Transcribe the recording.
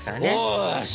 よし！